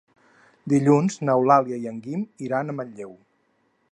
Dilluns n'Eulàlia i en Guim iran a Manlleu.